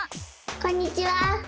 こんにちは！